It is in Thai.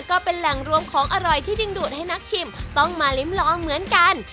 ก็เป็นแหล่งรวมของอร่อยที่ดึงดูดให้นักชิมต้องมาลิ้มลองเหมือนกัน